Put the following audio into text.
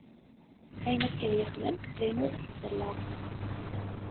Ayen akken yexdem, d ayen ur iqebbel leɛqel.